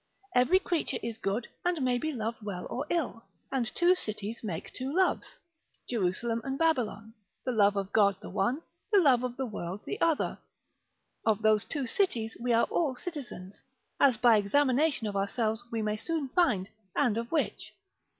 Every creature is good, and may be loved well or ill: and Two cities make two loves, Jerusalem and Babylon, the love of God the one, the love of the world the other; of these two cities we all are citizens, as by examination of ourselves we may soon find, and of which.